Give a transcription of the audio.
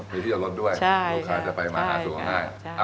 มีที่เอารถด้วยลูกค้าจะไปมาหาสูงข้างหน้า